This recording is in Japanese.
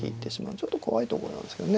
ちょっと怖いとこなんですけどね。